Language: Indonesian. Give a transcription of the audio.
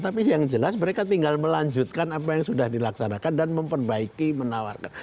tapi yang jelas mereka tinggal melanjutkan apa yang sudah dilaksanakan dan memperbaiki menawarkan